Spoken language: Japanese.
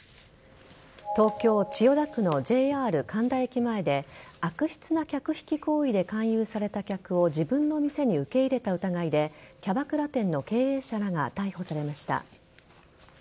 東京・千代田区のＪＲ神田駅前で悪質な客引き行為で勧誘された客を自分の店に受け入れた疑いでキャバクラ店の経営者らが逮捕されました。